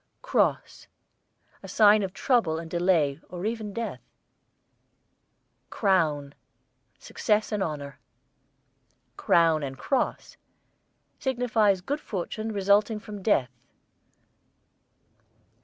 CROSS, a sign of trouble and delay or even death. CROWN, success and honour. CROWN AND CROSS, signifies good fortune resulting from death.